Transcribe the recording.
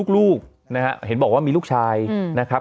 ลูกนะฮะเห็นบอกว่ามีลูกชายนะครับ